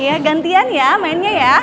iya gantian ya mainnya ya